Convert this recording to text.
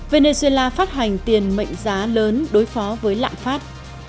venezuela phát hành tiền mệnh giá lớn đối phó với lạm phát